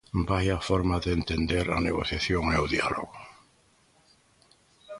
¡Vaia forma de entender a negociación e o diálogo!